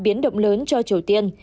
biến động lớn cho triều tiên